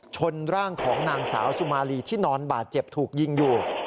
ชนร่างของนางสาวสุมารีที่นอนบาดเจ็บถูกยิงอยู่